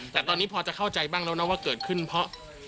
แต่ตอนนี้พอจะเข้าใจบ้างแล้วนะว่าเกิดขึ้นเพราะ